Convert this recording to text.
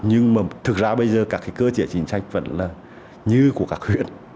nhưng mà thực ra bây giờ các cái cơ chế chính sách vẫn là như của các huyện